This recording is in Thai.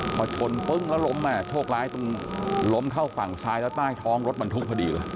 พอชนปึ้งแล้วล้มโชคร้ายตรงล้มเข้าฝั่งซ้ายแล้วใต้ท้องรถบรรทุกพอดีเลย